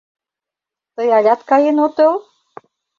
Тый алят каен отыл?